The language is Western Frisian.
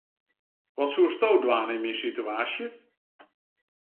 Wat soesto dwaan yn myn situaasje?